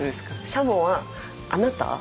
しゃもはあなた？